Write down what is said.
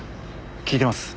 聞いてます。